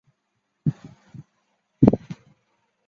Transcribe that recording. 布拉克沃夫省为波兰立陶宛联邦的行政区划和地方政府。